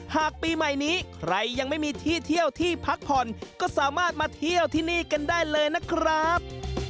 ปีใหม่นี้ใครยังไม่มีที่เที่ยวที่พักผ่อนก็สามารถมาเที่ยวที่นี่กันได้เลยนะครับ